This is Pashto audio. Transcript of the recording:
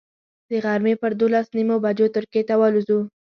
د غرمې پر دولس نیمو بجو ترکیې ته والوځو.